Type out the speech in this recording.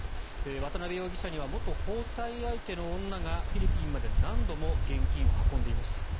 渡邉容疑者には元交際相手の女がフィリピンまで何度も現金を運んでいました。